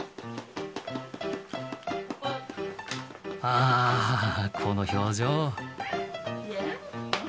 ああこの表情。